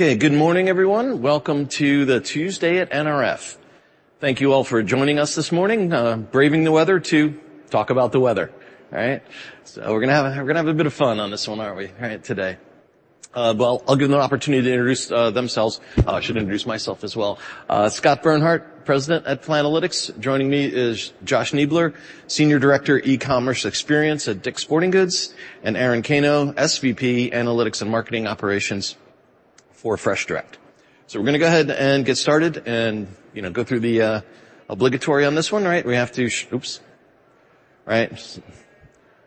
Okay, good morning, everyone. Welcome to the Tuesday at NRF. Thank you all for joining us this morning, braving the weather to talk about the weather. All right? So we're gonna have, we're gonna have a bit of fun on this one, aren't we, right, today? Well, I'll give them an opportunity to introduce themselves. I should introduce myself as well. Scott Bernhardt, President at Planalytics. Joining me is Josh Niebler, Senior Director E-commerce Experience at DICK'S Sporting Goods, and Aaron Cano, SVP, Analytics and Marketing Operations for FreshDirect. So we're gonna go ahead and get started and, you know, go through the obligatory on this one, right? We have to-- Oops! Right.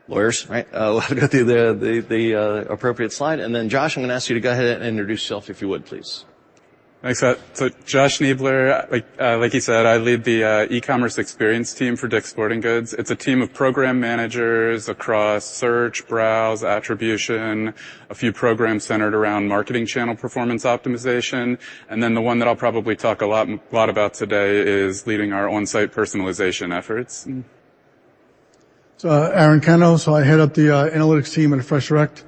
Lawyers, right? We'll go through the appropriate slide. And then, Josh, I'm gonna ask you to go ahead and introduce yourself, if you would, please. Thanks, Scott. So Josh Niebler, like, like he said, I lead the E-commerce Experience team for DICK'S Sporting Goods. It's a team of program managers across search, browse, attribution, a few programs centered around marketing channel performance optimization, and then the one that I'll probably talk a lot, lot about today is leading our on-site personalization efforts. So, Aaron Cano. So I head up the analytics team at FreshDirect.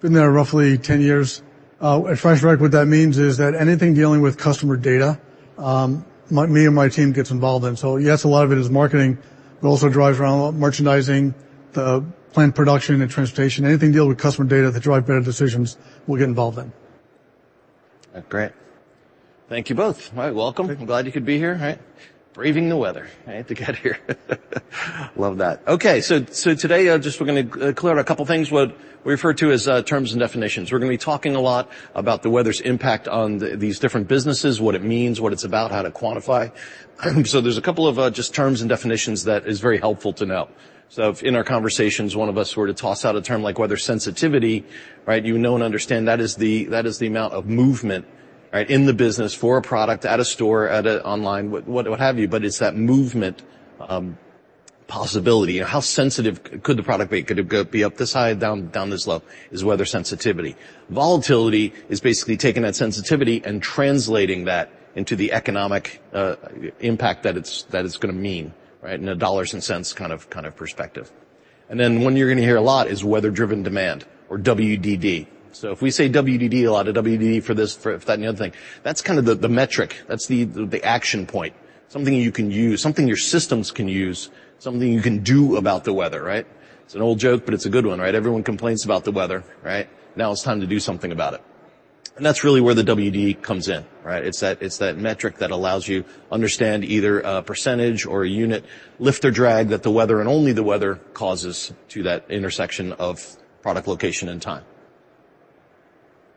Been there roughly 10 years. At FreshDirect, what that means is that anything dealing with customer data, me and my team gets involved in. So yes, a lot of it is marketing, but it also drives around merchandising, the planned production and transportation. Anything to deal with customer data that drive better decisions, we'll get involved in. Great. Thank you both. All right, welcome. I'm glad you could be here, right? Braving the weather, right, to get here. Love that. Okay, so today, just we're gonna clear out a couple of things, what we refer to as terms and definitions. We're gonna be talking a lot about the weather's impact on these different businesses, what it means, what it's about, how to quantify. So there's a couple of just terms and definitions that is very helpful to know. So if in our conversations, one of us were to toss out a term like weather sensitivity, right, you know and understand that is the, that is the amount of movement, right, in the business for a product, at a store, at a online, what have you, but it's that movement possibility. You know, how sensitive could the product be? Could it go, be up this high, down, down this low? Is weather sensitivity. Volatility is basically taking that sensitivity and translating that into the economic impact that it's, that it's gonna mean, right, in a dollars and cents kind of, kind of perspective. And then one you're gonna hear a lot is Weather-Driven Demand or WDD. So if we say WDD a lot, a WDD for this, for that, and the other thing, that's kind of the, the metric, that's the, the action point, something you can use, something your systems can use, something you can do about the weather, right? It's an old joke, but it's a good one, right? Everyone complains about the weather, right? Now it's time to do something about it. And that's really where the WDD comes in, right? It's that, it's that metric that allows you understand either a percentage or a unit, lift or drag, that the weather and only the weather causes to that intersection of product location and time.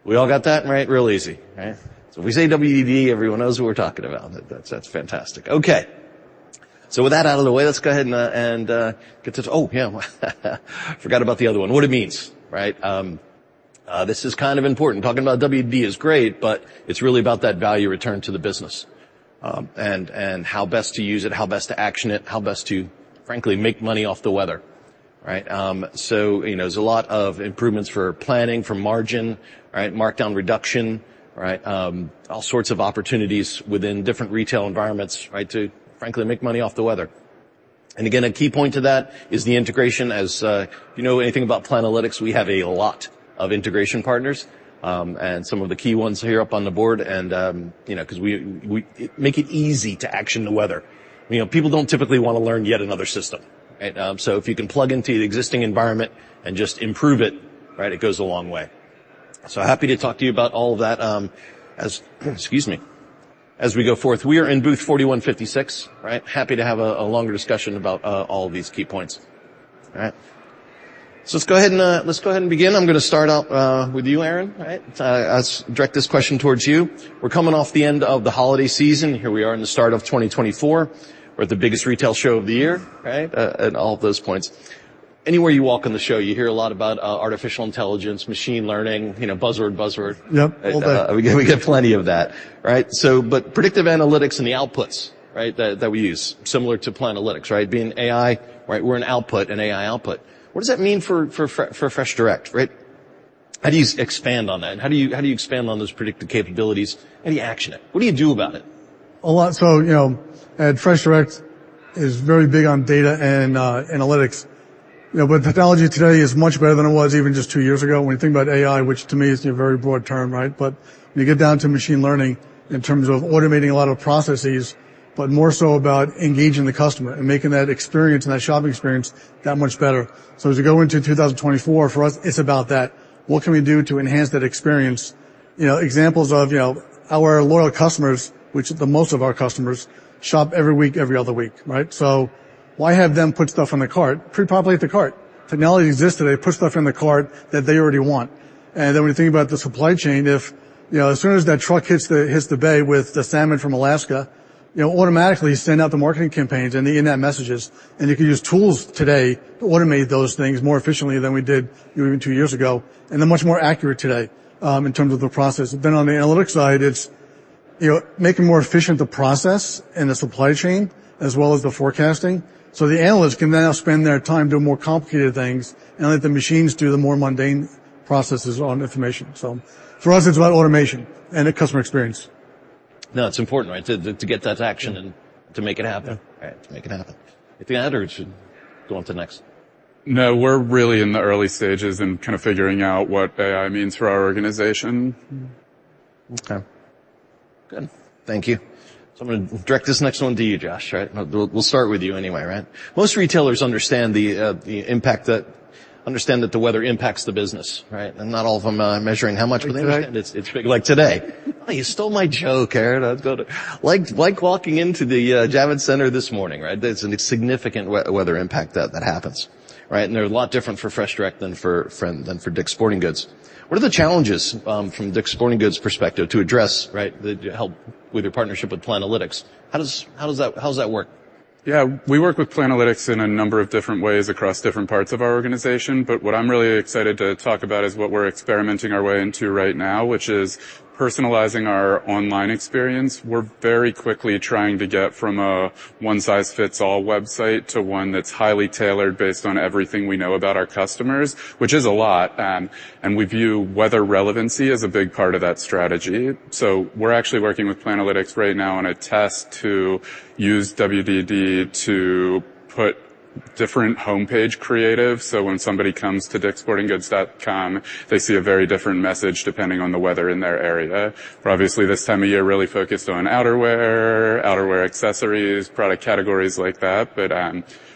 We all got that, right? Real easy, right? So if we say WDD, everyone knows what we're talking about. That's fantastic. Okay, so with that out of the way, let's go ahead and get to... Oh, yeah, forgot about the other one. What it means, right? This is kind of important. Talking about WDD is great, but it's really about that value return to the business, and how best to use it, how best to action it, how best to, frankly, make money off the weather, right? So, you know, there's a lot of improvements for planning, for margin, right, markdown reduction, right, all sorts of opportunities within different retail environments, right, to frankly, make money off the weather. And again, a key point to that is the integration. As if you know anything about Planalytics, we have a lot of integration partners, and some of the key ones here up on the board. And you know, 'cause it make it easy to action the weather. You know, people don't typically want to learn yet another system, right? So if you can plug into the existing environment and just improve it, right, it goes a long way. So happy to talk to you about all of that, as, excuse me, as we go forth. We are in booth 4156. Right? Happy to have a longer discussion about all of these key points. All right. So let's go ahead and begin. I'm gonna start off with you, Aaron. Right? Let's direct this question towards you. We're coming off the end of the holiday season. Here we are in the start of 2024. We're at the biggest retail show of the year, right? And all of those points. Anywhere you walk in the show, you hear a lot about artificial intelligence, machine learning, you know, buzzword, buzzword. Yep, all that. We get plenty of that, right? So but predictive analytics and the outputs, right, that we use, similar to Planalytics, right? Being AI, right, we're an output, an AI output. What does that mean for FreshDirect, right? How do you expand on that? How do you expand on those predictive capabilities? How do you action it? What do you do about it? A lot... So, you know, at FreshDirect, is very big on data and analytics. You know, but technology today is much better than it was even just two years ago. When you think about AI, which to me is a very broad term, right? But when you get down to machine learning, in terms of automating a lot of processes, but more so about engaging the customer and making that experience and that shopping experience that much better. So as we go into 2024, for us, it's about that. What can we do to enhance that experience? You know, examples of, you know, our loyal customers, which the most of our customers, shop every week, every other week, right? So why have them put stuff in the cart, pre-populate the cart? Technology exists today, put stuff in the cart that they already want. And then when you think about the supply chain, if you know, as soon as that truck hits the bay with the salmon from Alaska, you know, automatically send out the marketing campaigns and the internet messages. And you can use tools today to automate those things more efficiently than we did even two years ago, and they're much more accurate today in terms of the process. Then on the analytics side, it's you know, making more efficient the process and the supply chain, as well as the forecasting. So the analysts can now spend their time doing more complicated things and let the machines do the more mundane processes on information. So for us, it's about automation and the customer experience.... No, it's important, right, to get that action and to make it happen. Yeah. Right, to make it happen. Anything to add, or should go on to the next? No, we're really in the early stages in kind of figuring out what AI means for our organization. Mm-hmm. Okay. Good. Thank you. So I'm gonna direct this next one to you, Josh, right? We'll start with you anyway, right? Most retailers understand the impact that the weather impacts the business, right? And not all of them are measuring how much, but they understand it's like today. You stole my joke, Aaron. I was gonna like walking into the Javits Center this morning, right? There's a significant weather impact that happens, right? And they're a lot different for FreshDirect than for DICK'S Sporting Goods. What are the challenges from DICK'S Sporting Goods' perspective to address the help with your partnership with Planalytics? How does that work? Yeah. We work with Planalytics in a number of different ways across different parts of our organization, but what I'm really excited to talk about is what we're experimenting our way into right now, which is personalizing our online experience. We're very quickly trying to get from a one-size-fits-all website to one that's highly tailored based on everything we know about our customers, which is a lot. And we view weather relevancy as a big part of that strategy. So we're actually working with Planalytics right now on a test to use WDD to put different homepage creative, so when somebody comes to dickssportinggoods.com, they see a very different message depending on the weather in their area. We're obviously, this time of year, really focused on outerwear, outerwear accessories, product categories like that, but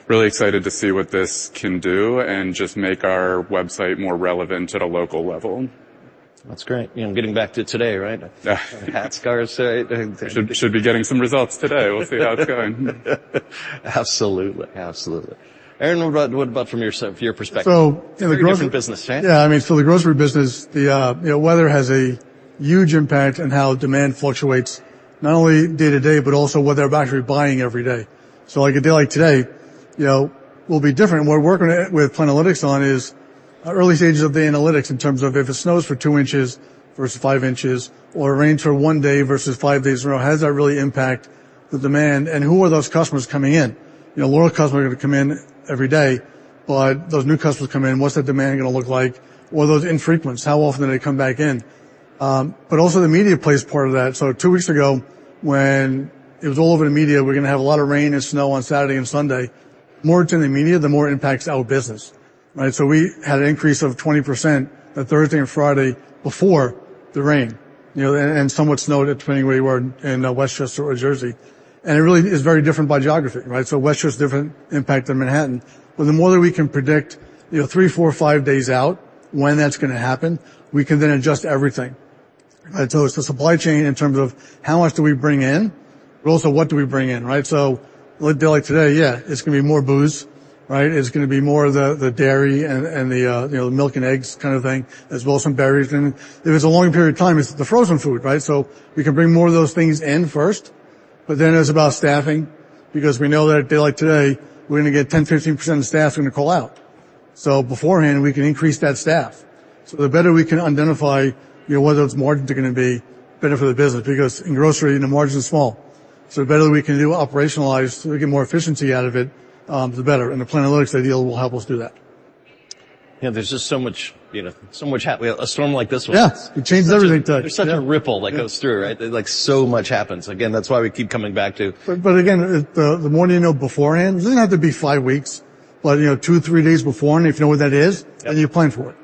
really excited to see what this can do and just make our website more relevant at a local level. That's great. You know, getting back to today, right? [Hat, scarves] today. Should be getting some results today. We'll see how it's going. Absolutely. Absolutely. Aaron, what about, what about from your side, from your perspective? So in the grocery- Pretty different business, right? Yeah, I mean, so the grocery business, you know, weather has a huge impact on how demand fluctuates, not only day to day, but also what they're actually buying every day. So like a day like today, you know, will be different, and we're working with Planalytics on is early stages of the analytics in terms of if it snows for 2 in versus 5 in, or it rains for one day versus five days in a row, how does that really impact the demand, and who are those customers coming in? You know, loyal customers are gonna come in every day, but those new customers come in, what's that demand gonna look like? Or those infrequents, how often are they gonna come back in? But also, the media plays part of that. So two weeks ago, when it was all over the media, we're gonna have a lot of rain and snow on Saturday and Sunday. The more it's in the media, the more it impacts our business, right? So we had an increase of 20% on Thursday and Friday before the rain, you know, and somewhat snow, depending on where you are in Westchester or Jersey. And it really is very different by geography, right? So Westchester is different impact than Manhattan. But the more that we can predict, you know, three, four, five days out when that's gonna happen, we can then adjust everything. Right, so it's the supply chain in terms of how much do we bring in, but also what do we bring in, right? So a day like today, yeah, it's gonna be more booze, right? It's gonna be more of the dairy and the, you know, the milk and eggs kind of thing, as well as some berries. And if it's a long period of time, it's the frozen food, right? So we can bring more of those things in first, but then it's about staffing because we know that a day like today, we're gonna get 10%, 15% of staff are gonna call out. So beforehand, we can increase that staff. So the better we can identify, you know, whether it's margins are gonna be better for the business, because in grocery, the margin's small, so the better we can do operationalize, we get more efficiency out of it, the better, and the Planalytics ideal will help us do that. Yeah, there's just so much, you know, so much. A storm like this one- Yeah, it changes everything, right? There's such a ripple that goes through, right? Like, so much happens. Again, that's why we keep coming back to- But again, the more you know beforehand, it doesn't have to be five weeks, but you know, two, three days before, and if you know when that is, then you plan for it.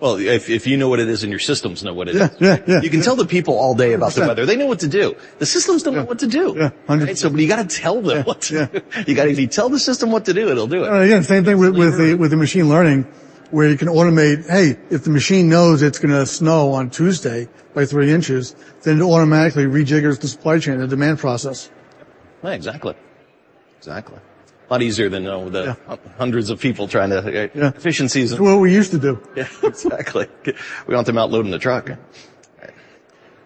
Well, if you know what it is and your systems know what it is. Yeah, yeah, yeah. You can tell the people all day about the weather. Yeah. They know what to do. The systems don't know what to do. Yeah. 100%. Right? So but you got to tell them what to... Yeah. If you tell the system what to do, it'll do it. Yeah, same thing with the machine learning, where you can automate, "Hey, if the machine knows it's gonna snow on Tuesday by 3 in, then it automatically rejiggers the supply chain and demand process. Yeah, exactly. Exactly. A lot easier than all the- Yeah... hundreds of people trying to efficiencies. It's what we used to do. Yeah, exactly. We want them out loading the truck. Right.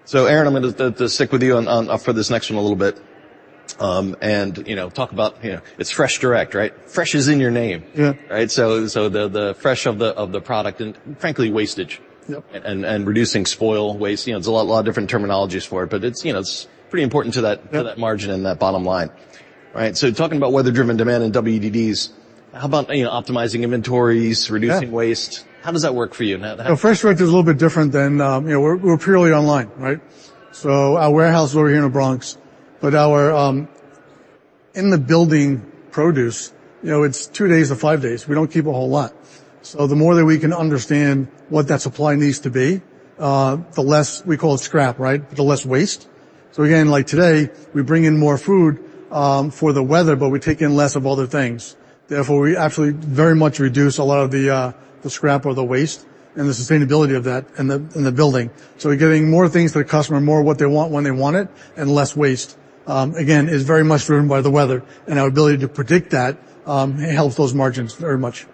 So Aaron, I'm gonna stick with you on for this next one a little bit, and, you know, talk about, you know, it's FreshDirect, right? Fresh is in your name. Yeah. Right? So, the freshness of the product and frankly, wastage- Yep... and reducing spoil waste. You know, there's a lot of different terminologies for it, but it's, you know, it's pretty important to that- Yeah... to that margin and that bottom line. Right, so talking about Weather-Driven Demand and WDDs, how about, you know, optimizing inventories- Yeah... reducing waste? How does that work for you now? Well, FreshDirect is a little bit different than. You know, we're purely online, right? So our warehouse, we're here in the Bronx, but our in the building, produce, you know, it's two days to five days. We don't keep a whole lot. So the more that we can understand what that supply needs to be, the less, we call it scrap, right? The less waste. So again, like today, we bring in more food for the weather, but we take in less of other things. Therefore, we actually very much reduce a lot of the scrap or the waste and the sustainability of that in the building. So we're giving more things to the customer, more what they want when they want it, and less waste. Again, is very much driven by the weather, and our ability to predict that helps those margins very much.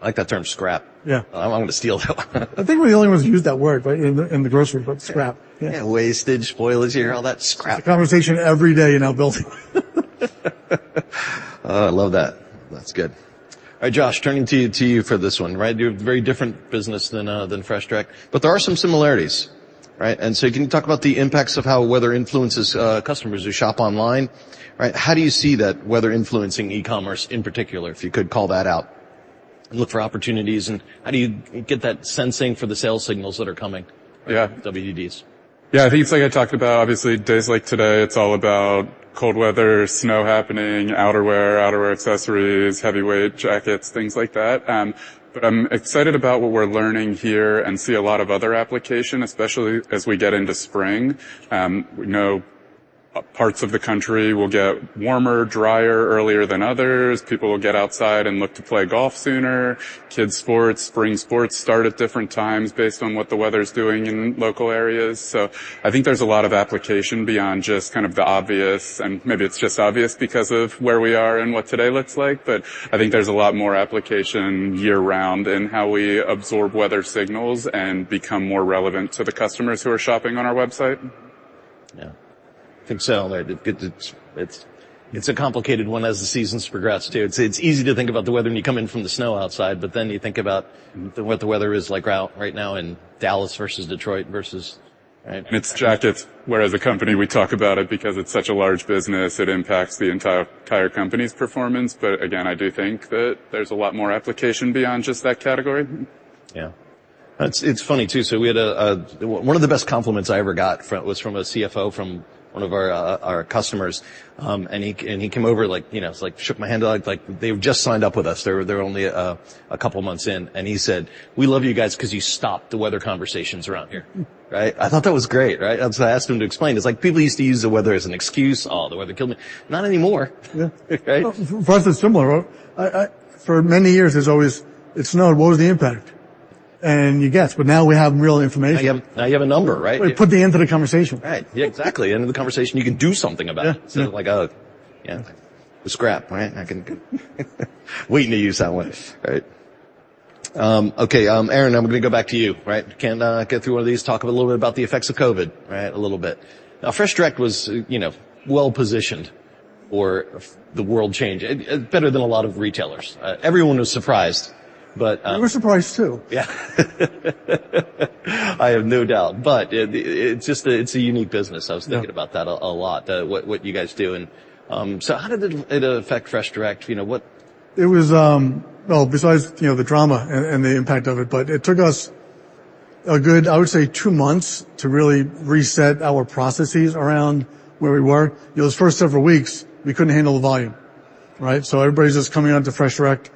I like that term, scrap. Yeah. I'm gonna steal that one. I think we're the only ones who use that word, right, in the, in the grocery business, scrap. Yeah, wastage, spoilage, you hear all that. Scrap. It's a conversation every day in our building. Oh, I love that. That's good. All right, Josh, turning to you for this one, right? You have a very different business than than FreshDirect, but there are some similarities, right? And so can you talk about the impacts of how weather influences customers who shop online, right? How do you see that weather influencing e-commerce in particular, if you could call that out?... look for opportunities, and how do you get that sensing for the sales signals that are coming- Yeah. -WDDs? Yeah, I think it's like I talked about, obviously, days like today, it's all about cold weather, snow happening, outerwear, outerwear accessories, heavyweight jackets, things like that. But I'm excited about what we're learning here and see a lot of other application, especially as we get into spring. We know parts of the country will get warmer, drier earlier than others. People will get outside and look to play golf sooner. Kids sports, spring sports start at different times based on what the weather's doing in local areas. So I think there's a lot of application beyond just kind of the obvious, and maybe it's just obvious because of where we are and what today looks like. But I think there's a lot more application year-round in how we absorb weather signals and become more relevant to the customers who are shopping on our website. Yeah. I think so. It's a complicated one as the seasons progress, too. It's easy to think about the weather, and you come in from the snow outside, but then you think about- Mm... what the weather is like out right now in Dallas versus Detroit versus- It's jackets, whereas, as a company, we talk about it because it's such a large business, it impacts the entire, entire company's performance. Again, I do think that there's a lot more application beyond just that category. Yeah. It's funny, too. So we had one of the best compliments I ever got was from a CFO from one of our customers, and he came over like, you know, like, shook my hand, like, they've just signed up with us. They're only a couple of months in, and he said, "We love you guys 'cause you stopped the weather conversations around here. Mm. Right? I thought that was great, right? So I asked him to explain. He's like, "People used to use the weather as an excuse. 'Oh, the weather killed me.' Not anymore." Right? For us, it's similar. For many years, there's always, "It snowed, what was the impact?" You guess, but now we have real information. Now you have, now you have a number, right? We put the end to the conversation. Right. Yeah, exactly. End of the conversation, you can do something about it. Yeah. Instead of like, yeah, it's crap, right? Waiting to use that one, right? Okay, Aaron, I'm gonna go back to you, right? Can get through one of these, talk a little bit about the effects of COVID, right, a little bit. Now, FreshDirect was, you know, well-positioned for the world change, better than a lot of retailers. Everyone was surprised, but. We were surprised, too. Yeah. I have no doubt, but it's just a unique business. Yeah. I was thinking about that a lot, what you guys do, and so how did it affect FreshDirect? You know, what- It was. Well, besides, you know, the drama and the impact of it, but it took us a good, I would say, two months to really reset our processes around where we were. Those first several weeks, we couldn't handle the volume, right? So everybody's just coming onto FreshDirect,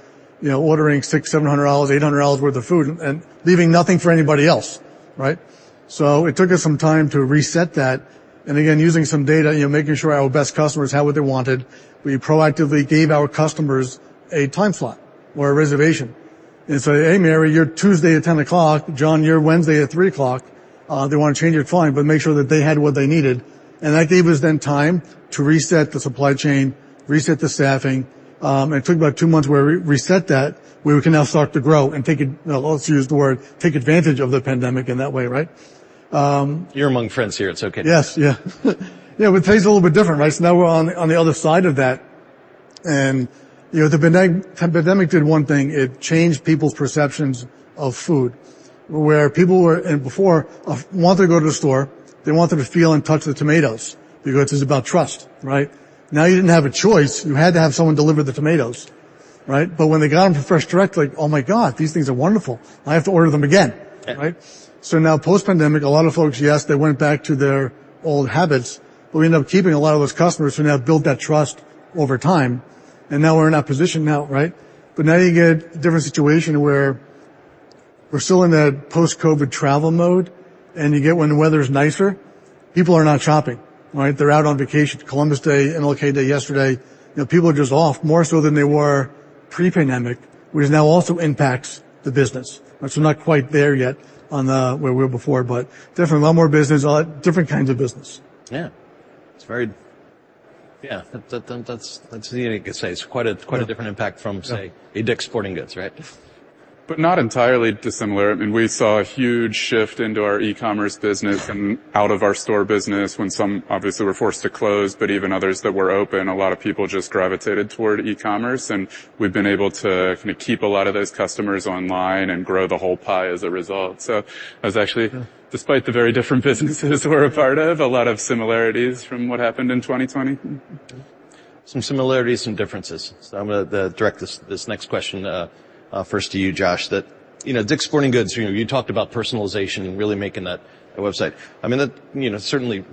you know, ordering $600-$700, $800 worth of food and leaving nothing for anybody else, right? So it took us some time to reset that, and again, using some data, you know, making sure our best customers had what they wanted. We proactively gave our customers a time slot or a reservation, and so, "Hey, Mary, you're Tuesday at 10:00. John, you're Wednesday at 3:00." They wanna change their time, but make sure that they had what they needed. That gave us then time to reset the supply chain, reset the staffing, and it took about two months where we reset that, where we can now start to grow and take advantage of the pandemic in that way, right? You're among friends here, it's okay. Yes. Yeah. Yeah, but it tastes a little bit different, right? So now we're on the other side of that, and, you know, the pandemic did one thing: it changed people's perceptions of food. Before, wanted to go to the store, they wanted to feel and touch the tomatoes because it's about trust, right? Now, you didn't have a choice. You had to have someone deliver the tomatoes, right? But when they got them from FreshDirect, like, "Oh, my God, these things are wonderful. I have to order them again. Yeah. Right? So now, post-pandemic, a lot of folks, yes, they went back to their old habits, but we ended up keeping a lot of those customers who now built that trust over time, and now we're in that position now, right? But now you get a different situation where we're still in that post-COVID travel mode, and you get when the weather's nicer, people are not shopping, right? They're out on vacation. Columbus Day and MLK Day yesterday, you know, people are just off, more so than they were pre-pandemic, which now also impacts the business, which we're not quite there yet on the, where we were before, but definitely a lot more business, a lot different kinds of business. Yeah. It's very... Yeah, that's unique to say. It's quite a different impact from, say- Yeah... DICK'S Sporting Goods, right? But not entirely dissimilar. I mean, we saw a huge shift into our e-commerce business and out of our store business when some obviously were forced to close, but even others that were open, a lot of people just gravitated toward e-commerce, and we've been able to kind of keep a lot of those customers online and grow the whole pie as a result. So that's actually, despite the very different businesses we're a part of, a lot of similarities from what happened in 2020. Mm-hmm. Some similarities, some differences. So I'm gonna direct this next question first to you, Josh, that, you know, DICK'S Sporting Goods, you know, you talked about personalization and really making that a website. I mean, that, you know, certainly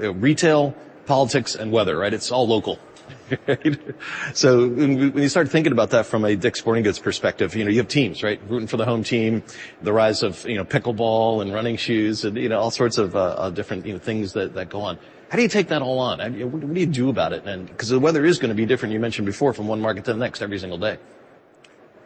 retail, politics, and weather, right? It's all local. So when you start thinking about that from a DICK'S Sporting Goods perspective, you know, you have teams, right? Rooting for the home team, the rise of, you know, pickleball and running shoes and, you know, all sorts of different, you know, things that go on. How do you take that all on? I mean, what do you do about it? And... 'Cause the weather is gonna be different, you mentioned before, from one market to the next, every single day.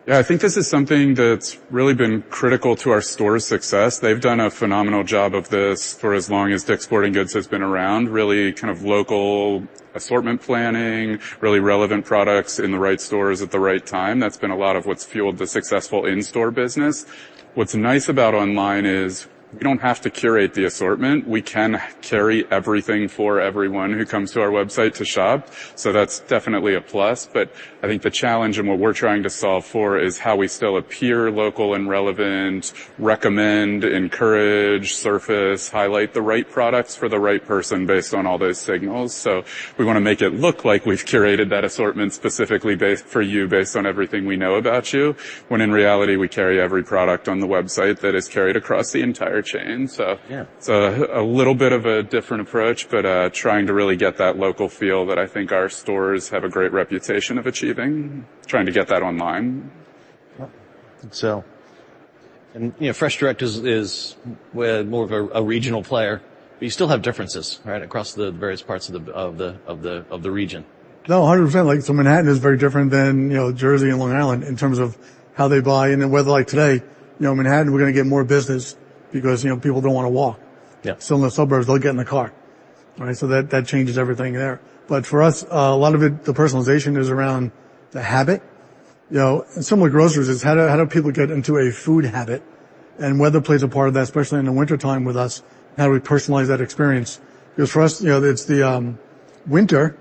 Yeah, I think this is something that's really been critical to our store's success. They've done a phenomenal job of this for as long as DICK'S Sporting Goods has been around. Really kind of local assortment planning, really relevant products in the right stores at the right time. That's been a lot of what's fueled the successful in-store business. What's nice about online is we don't have to curate the assortment. We can carry everything for everyone who comes to our website to shop, so that's definitely a plus. But I think the challenge and what we're trying to solve for is how we still appear local and relevant, recommend, encourage, surface, highlight the right products for the right person based on all those signals. So we wanna make it look like we've curated that assortment specifically based for you, based on everything we know about you, when in reality, we carry every product on the website that is carried across the entire chain, so- Yeah... So a little bit of a different approach, but, trying to really get that local feel that I think our stores have a great reputation of achieving, trying to get that online.... I think so. You know, FreshDirect is way more of a regional player, but you still have differences, right, across the various parts of the region? No, 100%. Like, so Manhattan is very different than, you know, Jersey and Long Island in terms of how they buy. And the weather, like today, you know, Manhattan, we're gonna get more business because, you know, people don't want to walk. Yeah. So in the suburbs, they'll get in the car, right? So that, that changes everything there. But for us, a lot of it, the personalization is around the habit. You know, similar to groceries, it's how do people get into a food habit? And weather plays a part of that, especially in the wintertime with us, how do we personalize that experience? Because for us, you know, it's the winter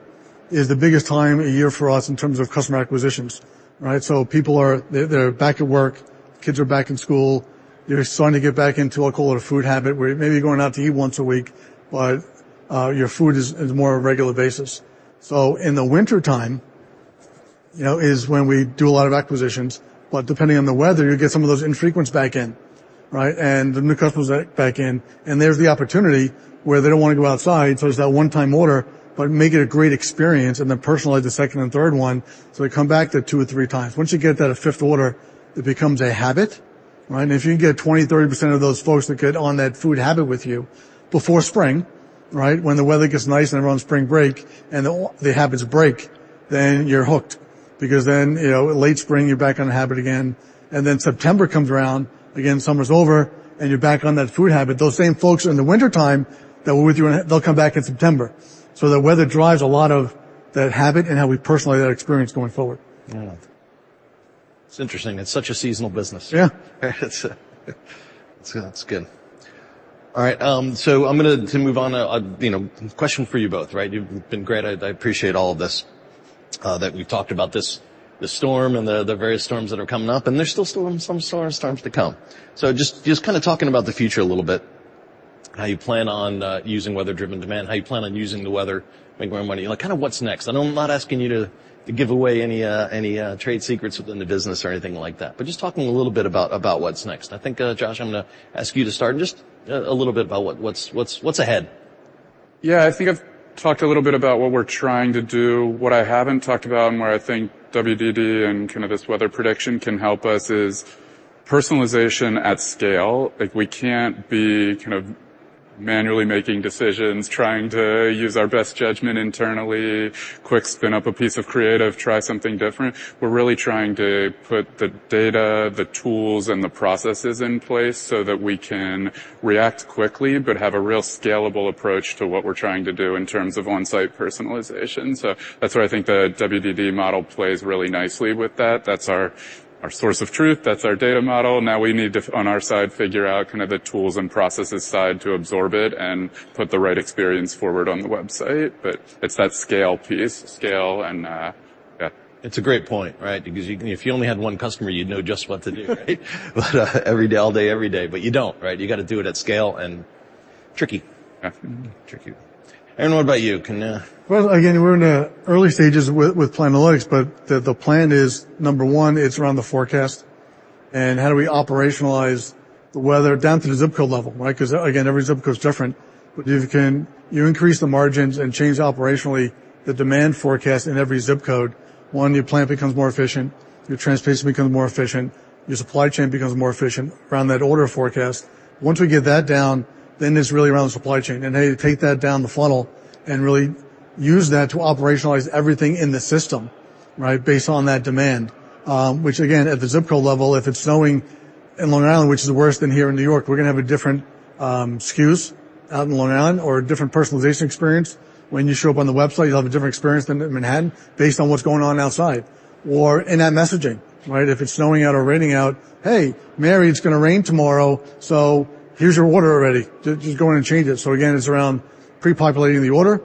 is the biggest time of year for us in terms of customer acquisitions, right? So people are they, they're back at work, kids are back in school. They're starting to get back into, I call it, a food habit, where you may be going out to eat once a week, but your food is more on a regular basis. So in the wintertime, you know, is when we do a lot of acquisitions, but depending on the weather, you get some of those infrequents back in, right? And the new customers back, back in, and there's the opportunity where they don't want to go outside, so it's that one-time order, but make it a great experience and then personalize the second and third one, so they come back two or three times. Once you get that a fifth order, it becomes a habit, right? And if you can get 20, 30% of those folks to get on that food habit with you before spring, right, when the weather gets nice and everyone's spring break, and the habits break, then you're hooked. Because then, you know, late spring, you're back on the habit again, and then September comes around, again, summer's over, and you're back on that food habit. Those same folks in the wintertime that were with you on, they'll come back in September. So the weather drives a lot of that habit and how we personalize that experience going forward. Yeah. It's interesting. It's such a seasonal business. Yeah. It's, it's good. All right, so I'm gonna to move on, you know, question for you both, right? You've been great. I, I appreciate all of this, that we've talked about, this, this storm and the, the various storms that are coming up, and there's still some storms to come. So just kind of talking about the future a little bit, how you plan on using Weather-Driven Demand, how you plan on using the weather to make more money. Like, kind of what's next? And I'm not asking you to give away any trade secrets within the business or anything like that, but just talking a little bit about what's next. I think, Josh, I'm gonna ask you to start, and just a little bit about what's ahead. Yeah. I think I've talked a little bit about what we're trying to do. What I haven't talked about and where I think WDD and kind of this weather prediction can help us is personalization at scale. Like, we can't be kind of manually making decisions, trying to use our best judgment internally, quick spin up a piece of creative, try something different. We're really trying to put the data, the tools, and the processes in place so that we can react quickly, but have a real scalable approach to what we're trying to do in terms of on-site personalization. So that's where I think the WDD model plays really nicely with that. That's our, our source of truth, that's our data model. Now we need to, on our side, figure out kind of the tools and processes side to absorb it and put the right experience forward on the website. But it's that scale piece, scale and, yeah. It's a great point, right? Because you can, if you only had one customer, you'd know just what to do, right? But, every day, all day, every day, but you don't, right? You got to do it at scale, and tricky. Yeah. Tricky. Aaron, what about you? Can Well, again, we're in the early stages with Planalytics, but the plan is, number one, it's around the forecast and how do we operationalize the weather down to the zip code level, right? Because, again, every zip code is different. But if you can... You increase the margins and change operationally the demand forecast in every zip code, one, your plan becomes more efficient, your transportation becomes more efficient, your supply chain becomes more efficient around that order forecast. Once we get that down, then it's really around the supply chain, and how you take that down the funnel and really use that to operationalize everything in the system, right, based on that demand. Which again, at the zip code level, if it's snowing in Long Island, which is worse than here in New York, we're gonna have a different SKUs out in Long Island or a different personalization experience. When you show up on the website, you'll have a different experience than in Manhattan based on what's going on outside. Or in that messaging, right? If it's snowing out or raining out, "Hey, Mary, it's gonna rain tomorrow, so here's your order already. Just go in and change it." So again, it's around pre-populating the order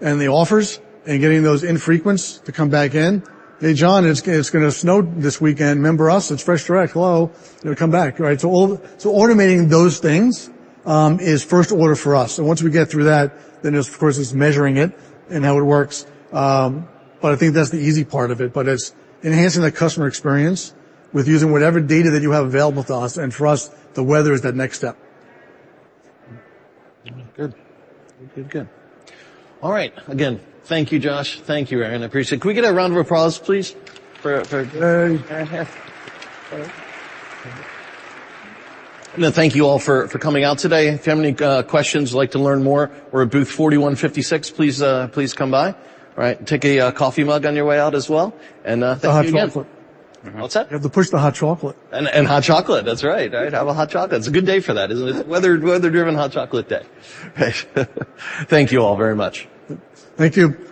and the offers and getting those infrequents to come back in. "Hey, John, it's gonna snow this weekend. Remember us? It's FreshDirect. Hello?" You know, come back, right? So automating those things is first order for us. Once we get through that, then, of course, it's measuring it and how it works. But I think that's the easy part of it. But it's enhancing the customer experience with using whatever data that you have available to us, and for us, the weather is that next step. Good. Good, good. All right. Again, thank you, Josh. Thank you, Aaron. I appreciate it. Can we get a round of applause, please. And thank you all for coming out today. If you have any questions, you'd like to learn more, we're at booth 4156. Please come by. All right. Take a coffee mug on your way out as well, and thank you again. The hot chocolate. What's that? You have to push the hot chocolate. Hot chocolate. That's right. All right, have a hot chocolate. It's a good day for that, isn't it? Weather, weather-driven hot chocolate day. Thank you all very much. Thank you.